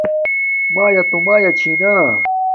مݳیݳ تݸ مݳیݳ چھݵ نݳ.